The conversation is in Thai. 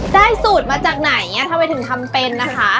ได้สูตรมาจากไหนถ้าเว้ยถึงทำเป็นนะคะ